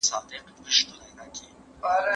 ذمي هغه څوک دی چي په اسلامي دولت کي اوسیږي.